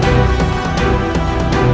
kau akan diserang kami